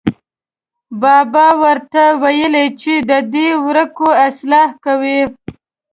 بابا ور ته ویلې چې ددې وړکو اصلاح کوه.